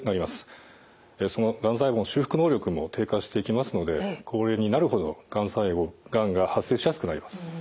そのがん細胞の修復能力も低下していきますので高齢になるほどがんが発生しやすくなります。